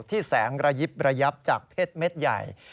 แสงระยิบระยับจากเพศเม็ดใหญ่